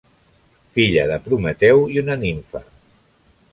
Filla de Prometeu i una nimfa.